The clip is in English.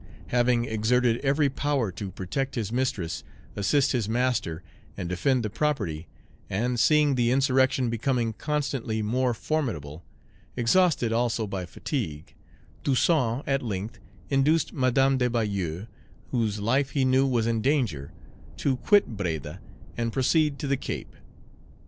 Having exerted every power to protect his mistress, assist his master, and defend the property, and seeing the insurrection becoming constantly more formidable, exhausted also by fatigue, Toussaint at length induced Madame de Bayou, whose life he knew was in danger, to quit Breda, and proceed to the Cape.